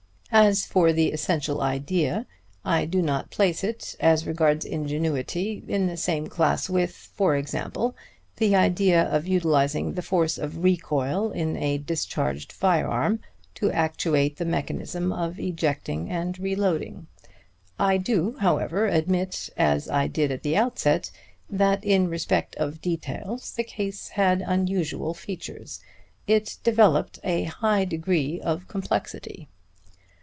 As for the essential idea, I do not place it, as regards ingenuity, in the same class with, for example, the idea of utilizing the force of recoil in a discharged firearm to actuate the mechanism of ejecting and reloading. I do, however, admit, as I did at the outset, that in respect of details the case had unusual features. It developed a high degree of complexity."